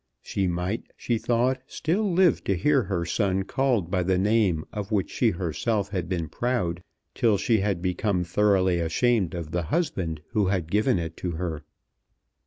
She might, she thought, still live to hear her son called by the name of which she herself had been proud till she had become thoroughly ashamed of the husband who had given it to her.